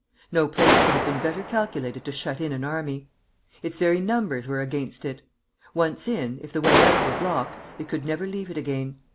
No place could have been better calculated to shut in an army. Its very numbers were against it. Once in, if the way out were blocked, it could never leave it again.